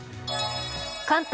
関東